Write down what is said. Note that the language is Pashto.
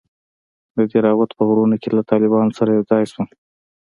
د دهراوت په غرونو کښې له طالبانو سره يوځاى سوم.